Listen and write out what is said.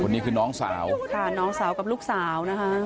นี่คือน้องสาวค่ะน้องสาวกับลูกสาวนะคะ